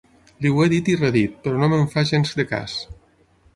Li ho he dit i redit, però no me'n fa gens de cas.